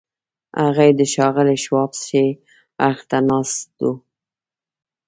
هغه د ښاغلي شواب ښي اړخ ته ناست و.